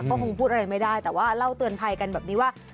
ก็คงพูดอะไรไม่ได้แต่ว่าเล่าเตือนภัยกันแบบนี้ว่า